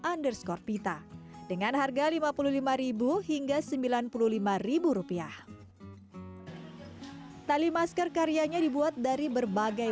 underscore pita dengan harga lima puluh lima hingga sembilan puluh lima rupiah tali masker karyanya dibuat dari berbagai